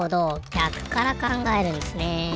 ぎゃくからかんがえるんですね。